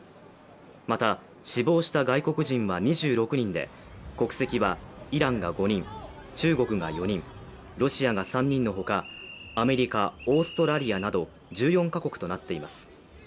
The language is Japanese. また死亡した外国人は２６人で国籍はイランが５人中国が４人ロシアが３人のほか、アメリカ、オーストラリアなど１４か国となっています。